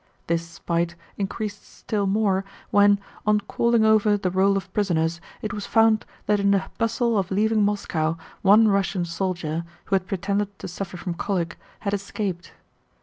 This spite increased still more when, on calling over the roll of prisoners, it was found that in the bustle of leaving Moscow one Russian soldier, who had pretended to suffer from colic, had escaped.